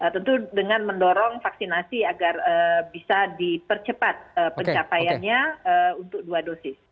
tentu dengan mendorong vaksinasi agar bisa dipercepat pencapaiannya untuk dua dosis